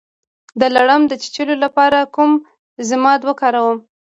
د لړم د چیچلو لپاره کوم ضماد وکاروم؟